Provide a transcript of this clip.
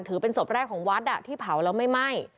ถือเป็นศพแรกของวัดที่เผาแล้วไม่ไหม้